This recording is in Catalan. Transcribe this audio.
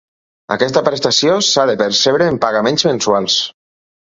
Aquesta prestació s'ha de percebre en pagaments mensuals.